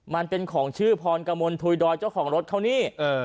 มันเป็นของชื่อพรกมลทุยดอยเจ้าของรถเขานี่